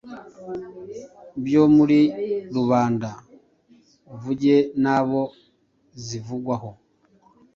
byo muri rubanda uvuge n’abo zivugwaho.